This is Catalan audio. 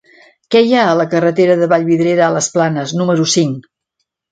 Què hi ha a la carretera de Vallvidrera a les Planes número cinc?